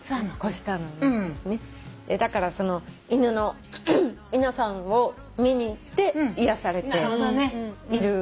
だから犬の皆さんを見に行って癒やされているのね。